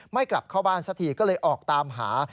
กลับเข้าบ้านสักทีก็เลยออกตามหา